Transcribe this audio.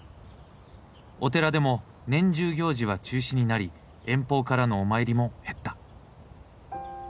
お寺でも年中行事は中止になり遠方からのお参りも減った。